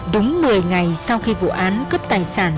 đúng một mươi ngày sau khi vụ án cướp tài sản